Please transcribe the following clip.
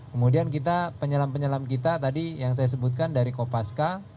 kemudian kita penyelam penyelam kita tadi yang saya sebutkan dari kopaska